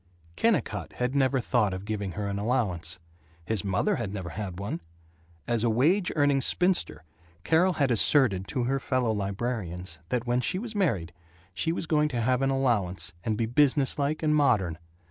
Kennicott had never thought of giving her an allowance. His mother had never had one! As a wage earning spinster Carol had asserted to her fellow librarians that when she was married, she was going to have an allowance and be business like and modern.